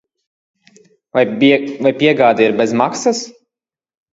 Vai piegāde ir bez maksas?